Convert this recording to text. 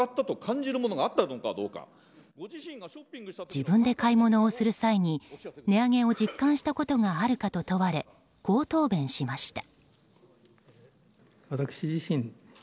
自分で買い物をする際に値上げを実感したことがあるかと問われこう答弁しました。